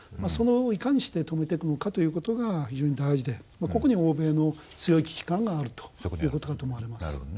それをいかにして止めていくのかという事が非常に大事でここに欧米の強い危機感があるという事かと思われます。